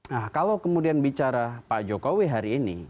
nah kalau kemudian bicara pak jokowi hari ini